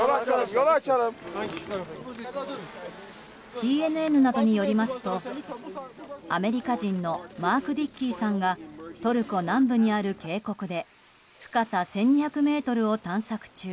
ＣＮＮなどによりますとアメリカ人のマーク・ディッキーさんがトルコ南部にある渓谷で深さ１２００ｍを探索中